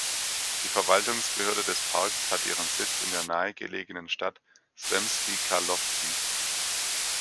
Die Verwaltungsbehörde des Parks hat ihren Sitz in der nahe gelegenen Stadt Sremski Karlovci.